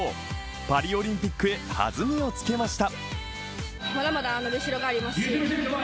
パリオリンピックへはずみをつけました。